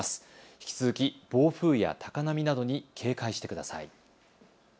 引き続き暴風や高波などに警戒してください。